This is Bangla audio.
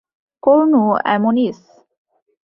কর্নু অ্যামোনিস?